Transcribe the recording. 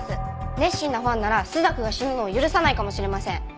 熱心なファンなら朱雀が死ぬのを許さないかもしれません。